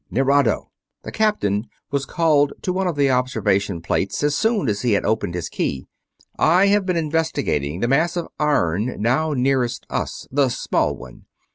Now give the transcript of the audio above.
"Nerado!" The captain was called to one of the observation plates as soon as he had opened his key. "I have been investigating the mass of iron now nearest us, the small one.